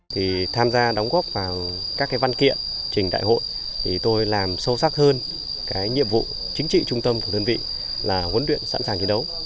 thì tham gia đóng góp vào các cái văn kiện trình đại hội thì tôi làm sâu sắc hơn cái nhiệm vụ chính trị trung tâm của đơn vị là huấn luyện sẵn sàng chiến đấu